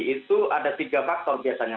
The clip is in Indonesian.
itu ada tiga faktor biasanya